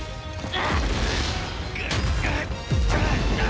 あっ！